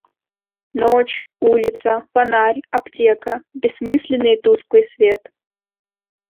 Ночь, улица, фонарь, аптека, Бессмысленный и тусклый свет.